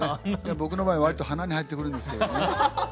僕の場合わりと鼻に入ってくるんですけれどもね。